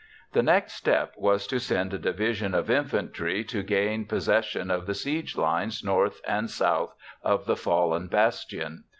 The next step was to send a division of infantry to gain possession of the siege lines north and south of the fallen bastion.